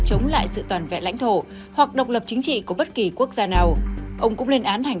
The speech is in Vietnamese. chống lại sự toàn vẹn lãnh thổ hoặc độc lập chính trị của bất kỳ quốc gia nào ông cũng lên án hành